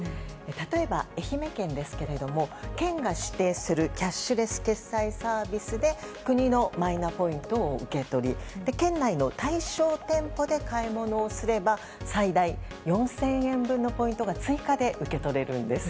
例えば、愛媛県ですけれども県が指定するキャッシュレス決済サービスで国のマイナポイントを受け取り県内の対象店舗で買い物をすれば最大４０００円分のポイントが追加で受け取れるんです。